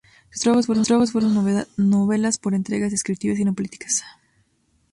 Sus trabajos fueron novelas por entregas, descriptivas y no políticas.